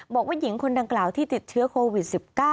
บอกว่าหญิงคนดังกล่าวที่ติดเชื้อโควิด๑๙